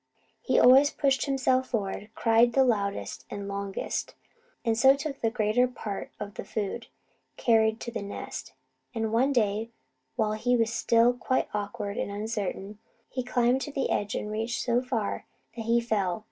He always pushed himself forward, cried the loudest and longest, and so took the greater part of the food carried to the nest; and one day, while he was still quite awkward and uncertain, he climbed to the edge and reached so far that he fell.